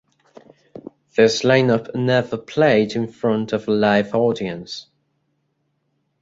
This lineup never played in front of a live audience.